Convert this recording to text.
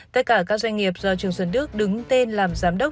tất cả các doanh nghiệp do trường xuân đức đứng tên làm giám đốc